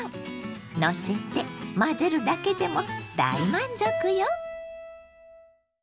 のせて混ぜるだけでも大満足よ！